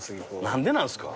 何でなんですか？